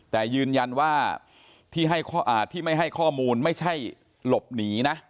แต่ยืนยันว่าที่ไม่ให้ข้อมูลไม่ใช่หลบหนีนะ